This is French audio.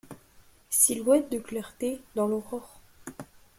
Silhouette de clarté dans de l’aurore.